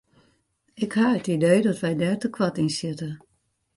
Ik ha it idee dat wy dêr te koart yn sjitte.